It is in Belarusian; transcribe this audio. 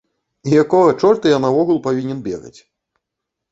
І якога чорта я наогул павінен бегаць?